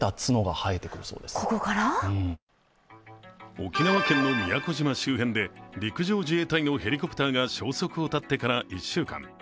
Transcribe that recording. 沖縄県の宮古島周辺で陸上自衛隊のヘリコプターが消息を絶ってから１週間。